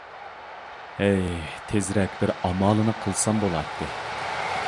ھەي، تېزرەك بىر ئامالىنى قىلسام بولاتتى.